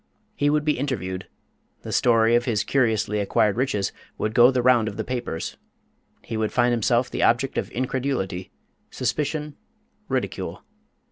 He would be interviewed; the story of his curiously acquired riches would go the round of the papers; he would find himself the object of incredulity, suspicion, ridicule.